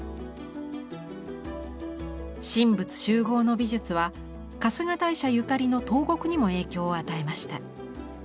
神仏習合の美術は春日大社ゆかりの東国にも影響を与えました。